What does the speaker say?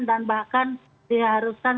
dan bahkan diharuskan